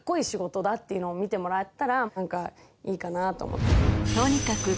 っていうのを見てもらったら何かいいかなと思って。